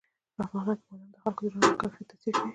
په افغانستان کې بادام د خلکو د ژوند په کیفیت تاثیر کوي.